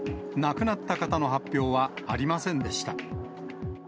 亡くなった方の発表はありませんでした。